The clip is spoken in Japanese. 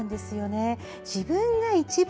自分が一番